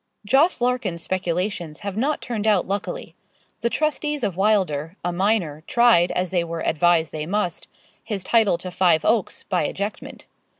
Jos. Larkins's speculations have not turned out luckily. The trustees of Wylder, a minor, tried, as they were advised they must, his title to Five Oaks, by ejectment.